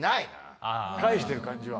返してる感じは。